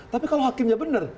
tapi kalau hakimnya benar